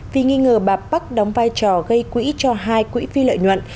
vì nghi ngờ bà park đóng vai trò gây quỹ cho hai quỹ phi lợi nhuận